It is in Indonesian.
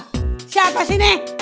aduh siapa sule